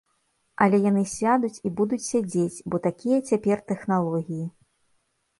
Але яны сядуць і будуць сядзець, бо такія цяпер тэхналогіі.